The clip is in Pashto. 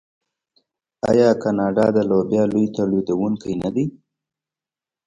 آیا کاناډا د لوبیا لوی تولیدونکی نه دی؟